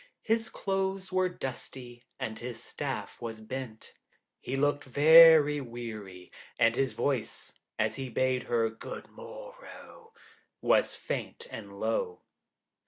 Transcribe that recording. His clothes were dusty, and his staff was bent; he looked very weary, and his voice, as he bade her 'Goodmorrow,' was faint and low.